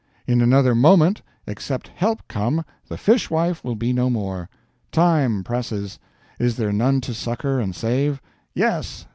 In another Moment, except Help come, the Fishwife will be no more. Time presses is there none to succor and save? Yes!